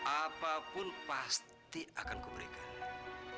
apapun pasti akan kuberikan